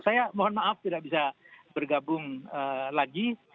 saya mohon maaf tidak bisa bergabung lagi